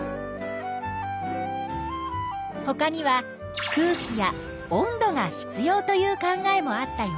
ほかには空気や温度が必要という考えもあったよ。